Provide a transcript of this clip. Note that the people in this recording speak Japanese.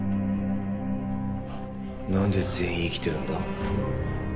何で全員生きてるんだ？